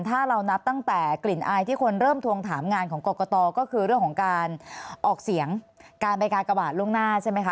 ถ้าเรานับตั้งแต่กลิ่นอายที่คนเริ่มทวงถามงานของกรกตก็คือเรื่องของการออกเสียงการไปกากบาทล่วงหน้าใช่ไหมคะ